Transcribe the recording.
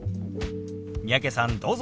三宅さんどうぞ。